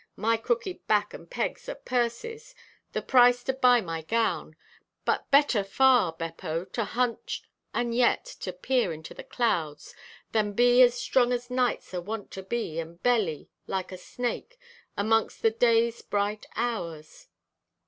My crooked back and pegs are purses—the price to buy my gown; but better far, Beppo, to hunch and yet to peer into the clouds, than be as strong as knights are wont to be, and belly, like a snake, amongst the day's bright hours.